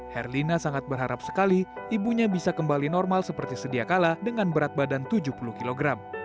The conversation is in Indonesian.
herlina sangat berharap sekali ibunya bisa kembali normal seperti sedia kala dengan berat badan tujuh puluh kg